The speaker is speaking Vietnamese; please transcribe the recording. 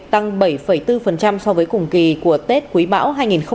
tăng bảy bốn so với cùng kỳ của tết quý mão hai nghìn hai mươi ba